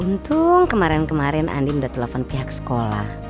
untung kemarin kemarin andi sudah telepon pihak sekolah